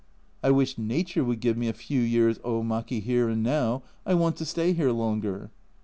I wish Nature would give me a few years omaki here and now, I want to stay here longer.